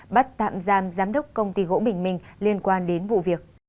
bắt tạm giam giám đốc công ty gỗ bình minh liên quan đến vụ việc